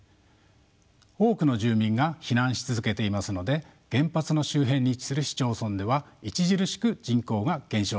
多くの住民が避難し続けていますので原発の周辺に位置する市町村では著しく人口が減少しています。